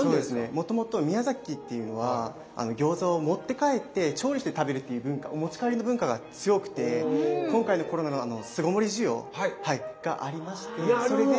もともと宮崎っていうのは餃子を持って帰って調理して食べるっていう文化お持ち帰りの文化が強くて今回のコロナの巣ごもり需要がありましてそれで。